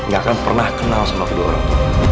gak akan pernah kenal sama kedua orang tua